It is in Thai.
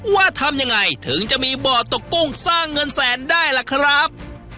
ว่าทำยังไงถึงจะมีบ่อตกกุ้งสร้างเงินแสนได้ล่ะครับ